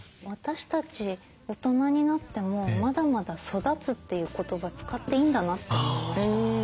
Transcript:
私たち大人になってもまだまだ「育つ」という言葉使っていいんだなって思いました。